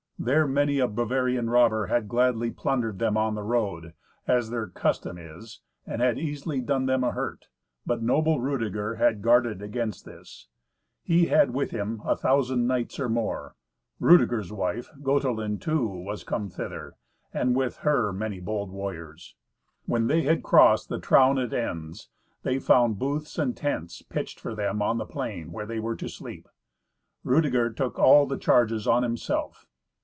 There many a Bavarian robber had gladly plundered them on the road, as their custom is, and had easily done them a hurt. But noble Rudeger had guarded against this; he had with him a thousand knights or more. Rudeger's wife, Gotelind, too, was come thither, and with her many bold warriors. When they had crossed the Traun at Enns, they found booths and tents pitched for them on the plain where they were to sleep. Rudeger took all the charges on himself.